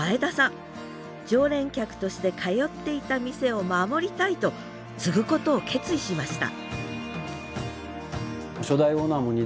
常連客として通っていた店を守りたいと継ぐことを決意しました